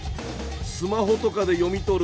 スマホとかで読み取る